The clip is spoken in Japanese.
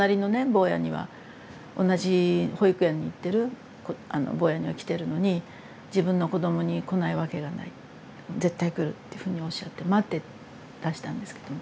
坊やには同じ保育園に行ってる坊やには来てるのに自分の子どもに来ないわけがない絶対来るっていうふうにおっしゃって待ってらしたんですけど。